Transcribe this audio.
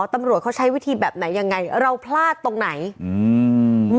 ตำรวจเขาใช้วิธีแบบไหนยังไงเราพลาดตรงไหนอืม